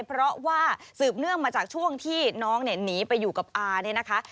เพราะว่าสืบเนื่องมาจากช่วงที่น้องเนี่ยหนีไปอยู่กับอาเนี่ยนะคะ